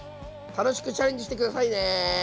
楽しくチャレンジして下さいね！